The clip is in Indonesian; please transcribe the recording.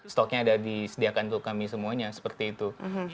stoknya ada disediakan untuk kami semuanya seperti itu